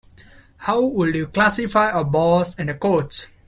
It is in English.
How would you classify a bus and a coach?